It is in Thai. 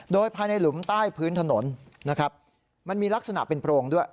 โดยภายในหลุมใต้พื้นถนนนะครับมันมีลักษณะเป็นโพรงด้วย